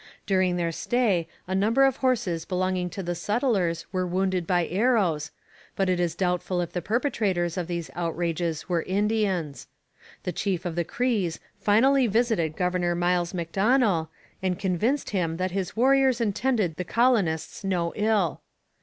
During their stay a number of horses belonging to the settlers were wounded by arrows, but it is doubtful if the perpetrators of these outrages were Indians. The chief of the Crees finally visited Governor Miles Macdonell, and convinced him that his warriors intended the colonists no ill.